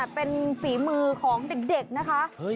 เป็นฝีมือของเด็กนะคะ